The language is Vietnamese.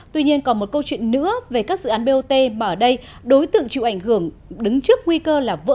tuy nhiên còn một câu chuyện nữa về các dự án bot mà ở đây đối tượng chịu ảnh hưởng đứng trước nguy cơ là vỡ nợ